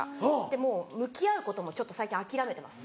でもう向き合うこともちょっと最近諦めてます。